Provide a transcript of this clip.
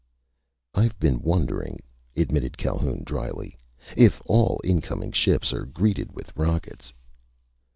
"I've been wondering," admitted Calhoun dryly, "if all incoming ships are greeted with rockets."